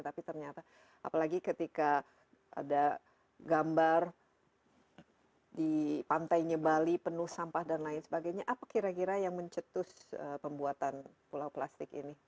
tapi ternyata apalagi ketika ada gambar di pantainya bali penuh sampah dan lain sebagainya apa kira kira yang mencetus pembuatan pulau plastik ini